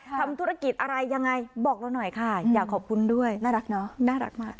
ทำธุรกิจอะไรยังไงบอกเราหน่อยค่ะอยากขอบคุณด้วยน่ารักเนอะน่ารักมาก